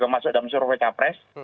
masuk dalam surveca pres